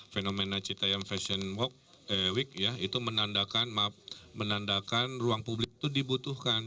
fenomena citaiam fashion week ya itu menandakan ruang publik itu dibutuhkan